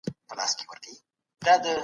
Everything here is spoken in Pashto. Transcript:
په بریتانیا کې نسخه اړتیا لري.